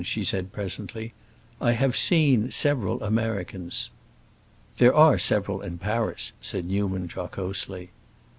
she said presently. "I have seen several Americans." "There are several in Paris," said Newman jocosely.